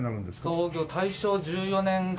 創業大正１４年から。